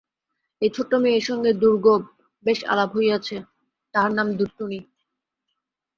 একটি ছোট্ট মেয়ের সঙ্গে দুর্গােব বেশ আলাপ হইয়াছে, তাহার নাম টুনি।